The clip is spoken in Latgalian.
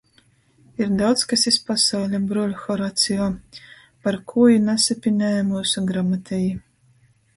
Ir daudz kas iz pasauļa, bruoļ Horacio, Par kū i nasepinēja myusu gramateji.